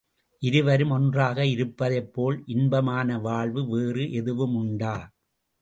இருவரும் ஒன்றாக இருப்பதைப் போல் இன்பமான வாழ்வு வேறு எதுவும் உண்டா?